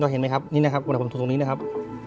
เห็นไหมครับวัดหัวผมสูงตรงนี้นะครับ